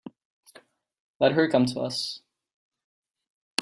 Let her come to us.